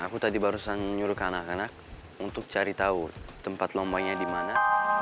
aku tadi barusan nyuruh ke anak anak untuk cari tahu tempat lombanya di mana